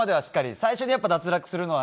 最初脱落するのは。